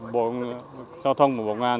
bộ giao thông và bộ ngàn